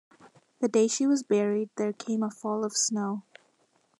The day she was buried, there came a fall of snow.